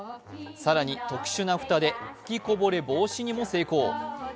更に、特殊な蓋で吹きこぼれ防止にも成功。